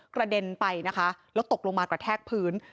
กระเด็นไปนะคะแล้วตกลงมากระแทกพื้น